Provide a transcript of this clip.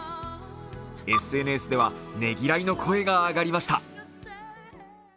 ＳＮＳではねぎらいの声が上がりました。